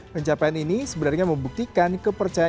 pencapaian ini sebenarnya membuktikan kepercayaan